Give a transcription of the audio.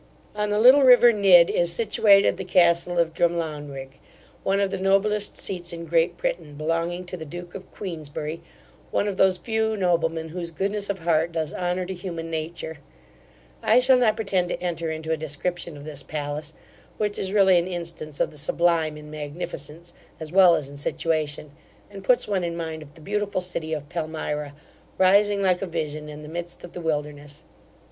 On the little river Nid, is situated the castle of Drumlanrig, one of the noblest seats in Great Britain, belonging to the duke of Queensberry; one of those few noblemen whose goodness of heart does honour to human nature I shall not pretend to enter into a description of this palace, which is really an instance of the sublime in magnificence, as well as in situation, and puts one in mind of the beautiful city of Palmyra, rising like a vision in the midst of the wilderness.